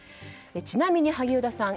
ちなみに萩生田さん